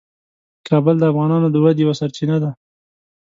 کابل د افغانانو د ودې یوه سرچینه ده.